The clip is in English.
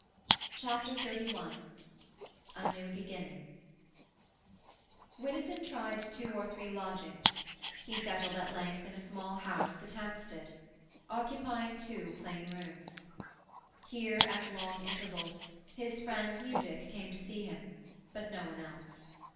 CHAPTER XXXI A NEW BEGINNING Widdowson tried two or three lodgings; he settled at length in a small house at Hampstead; occupying two plain rooms. Here, at long intervals, his friend Newdick came to see him, but no one else.